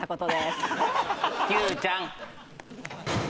Ｑちゃん。